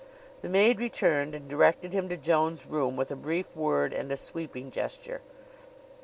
The maid returned and directed him to Joan's room with a brief word and a sweeping gesture.